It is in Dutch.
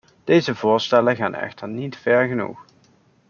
Deze voorstellen gaan echter niet ver genoeg.